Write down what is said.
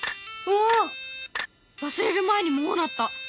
忘れる前にもう鳴った！